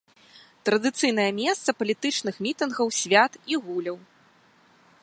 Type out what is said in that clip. Традыцыйнае месца палітычных мітынгаў, свят і гуляў.